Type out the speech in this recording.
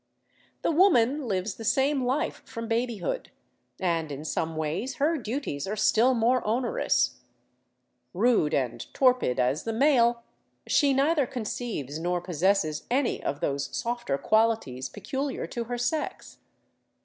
The v/oman lives the same life from babyhood; and in some ways her duties are still more onerous. Rude and torpid as the male, she neither conceives nor possesses any of those softer qualities peculiar to her sex.